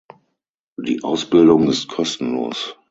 Die Ausbildung ist kostenlos.